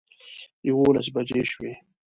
یوولس بجې شوې.